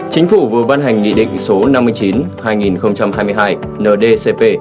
chính phủ vừa ban hành nghị định số năm mươi chín hai nghìn hai mươi hai ndcp